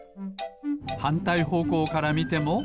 はんたいほうこうからみても。